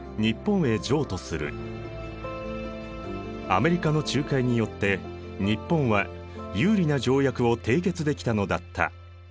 アメリカの仲介によって日本は有利な条約を締結できたのだった。